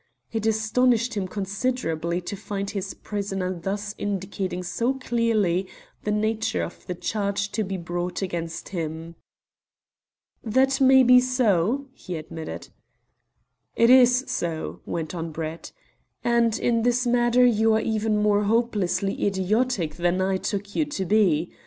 It astonished him considerably to find his prisoner thus indicating so clearly the nature of the charge to be brought against him. "That may be so," he admitted. "It is so," went on Brett; "and in this matter you are even more hopelessly idiotic than I took you to be.